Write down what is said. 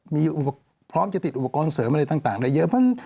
มีอุปกรณ์พร้อมจะติดอุปกรณ์เสริมอะไรต่างได้เยอะ